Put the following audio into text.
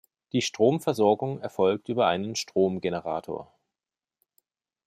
Die Stromversorgung erfolgt über einen Stromgenerator.